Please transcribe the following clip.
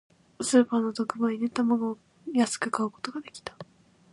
スーパーの特売で、卵を安く買うことができた。